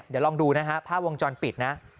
เดี๋ยวลองดูนะฮะภาพวงจรปิดนะ